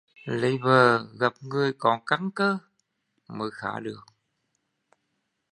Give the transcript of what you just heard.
Lấy vợ gặp người có căn cơ mới khá được